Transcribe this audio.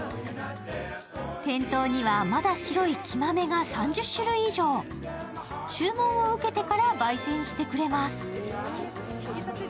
店頭には、まだ白い生豆が３０種類以上、注文を受けてからばい煎してくれます。